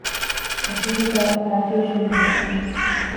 އޮފީހުގައި ޕާޓީޝަން ޖެހުމަށް